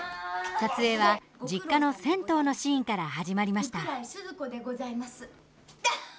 撮影は、実家の銭湯のシーンから始まりました。